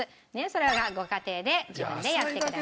それはご家庭で自分でやってください。